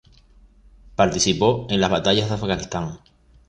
Participó en las batallas en Afganistán.